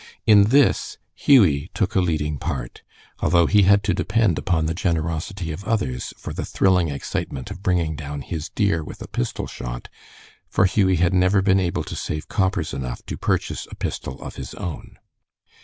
In this Hughie took a leading part, although he had to depend upon the generosity of others for the thrilling excitement of bringing down his deer with a pistol shot, for Hughie had never been able to save coppers enough to purchase a pistol of his own.